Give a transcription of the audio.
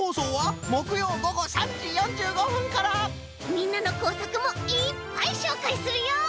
みんなのこうさくもいっぱいしょうかいするよ！